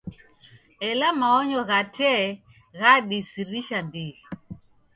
Ela maonyo gha tee ghadisirisha ndighi.